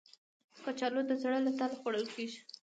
کچالو د زړه له تله خوړل کېږي